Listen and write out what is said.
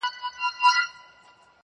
داسي دي سترگي زما غمونه د زړگي ورانوي.